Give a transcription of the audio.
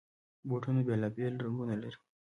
بوټونه بېلابېل رنګونه لري.